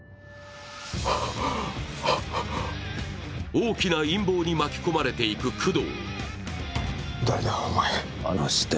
大きな陰謀に巻き込まれていく工藤。